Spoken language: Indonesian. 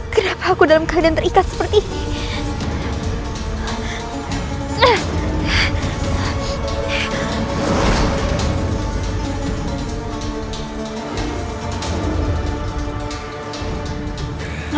kenapa aku dalam keadaan terikat seperti ini